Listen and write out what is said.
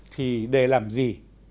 thì để làm gì